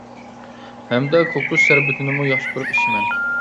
ھەمدە كوكۇس شەربىتىنىمۇ ياخشى كۆرۈپ ئىچىمەن.